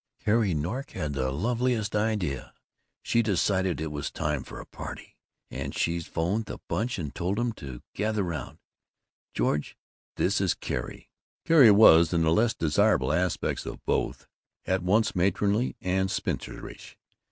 "Carrie Nork had the loveliest idea. She decided it was time for a party, and she 'phoned the Bunch and told 'em to gather round.... George, this is Carrie." "Carrie" was, in the less desirable aspects of both, at once matronly and spinsterish.